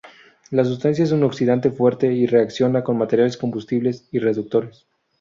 La sustancia es un oxidante fuerte y reacciona con materiales combustibles y reductores.